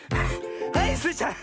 はいスイちゃん。